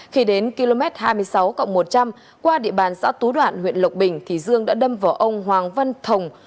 khi đến km hai mươi sáu một trăm linh qua địa bàn xã tú đoạn huyện lộc bình thì dương đã đâm vào ông hoàng văn thồng